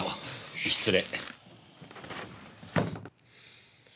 失礼。